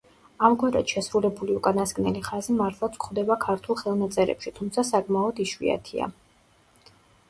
ამგვარად შესრულებული უკანასკნელი ხაზი მართლაც გვხვდება ქართულ ხელნაწერებში, თუმცა საკმაოდ იშვიათია.